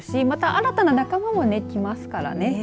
新たな仲間も来ますからね。